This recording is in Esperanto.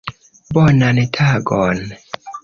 Bonan tagon.